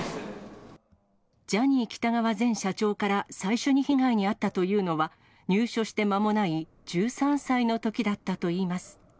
ジャニー喜多川前社長から最初に被害に遭ったというのは、入所して間もない１３歳のときだったといいます。